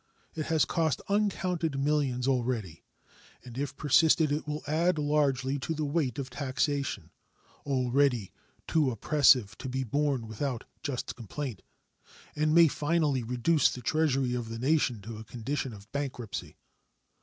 It has cost uncounted millions already, and if persisted in will add largely to the weight of taxation, already too oppressive to be borne without just complaint, and may finally reduce the Treasury of the nation to a condition of bankruptcy.